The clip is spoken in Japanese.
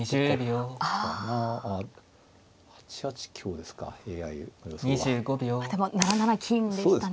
でも７七金でしたね。